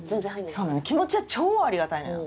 そうなの気持ちは超ありがたいのよ。